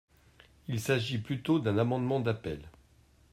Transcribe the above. Il s’agit plutôt d’un amendement d’appel.